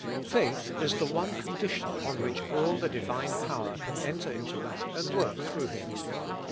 Faith is the one condition on which all the Divine power can enter into man and work through him.